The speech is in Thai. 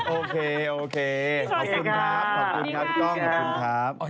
โอเคขอบคุณครับพี่กล้องครับครับได้ค่ะ